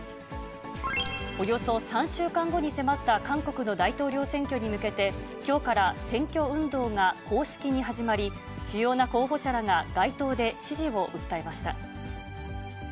およそ３週間後に迫った韓国の大統領選挙に向けて、きょうから選挙運動が公式に始まり、主要な候補者らが街頭で支持を訴えました。